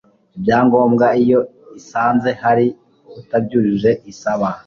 ibyangombwa iyo isanze hari utabyujuje isaba